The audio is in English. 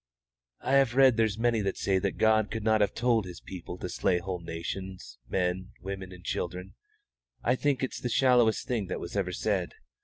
"I have read there's many that say that God could not have told His people to slay whole nations, men, women, and children. I think it's the shallowest thing that was ever said.